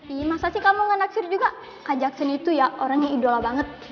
ih masa sih kamu gak naksir juga kak jackson itu ya orangnya idola banget